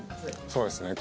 そうですね